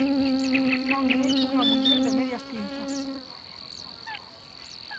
Non é unha muller de medias tintas.